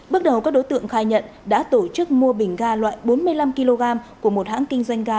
bước đầu các đối tượng khai nhận đã tổ chức mua bình ga loại bốn mươi năm kg của một hãng kinh doanh ga